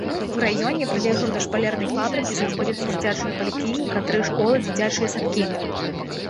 У раёне, прылеглым да шпалернай фабрыкі, знаходзяцца дзіцячая паліклініка, тры школы, дзіцячыя садкі.